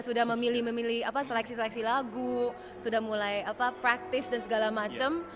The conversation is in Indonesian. sudah memilih memilih seleksi seleksi lagu sudah mulai praktis dan segala macam